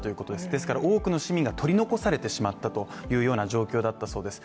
ですから多くの市民が取り残されてしまったような状況だったそうです。